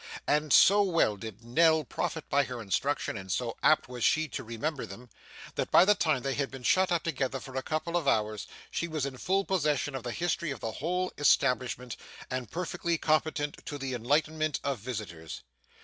And so well did Nell profit by her instructions, and so apt was she to remember them, that by the time they had been shut up together for a couple of hours, she was in full possession of the history of the whole establishment, and perfectly competent to the enlightenment of visitors.